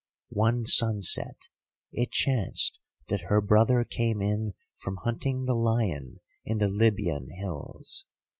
[*] Cyprus. "One sunset it chanced that her brother came in from hunting the lion in the Libyan hills.